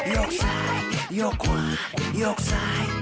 ยกซ้ายยกขวา